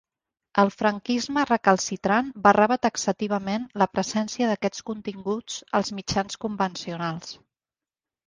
El franquisme recalcitrant barrava taxativament la presència d'aquests continguts als mitjans convencionals.